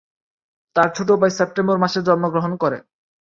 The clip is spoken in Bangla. তার ছোট ভাই সেপ্টেম্বর মাসে জন্মগ্রহণ করে।